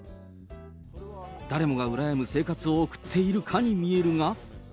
誰もがうらやむ生活を送っているかに見えるが。